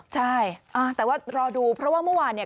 ใช่แต่ว่ารอดูเพราะว่าเมื่อวานเนี่ย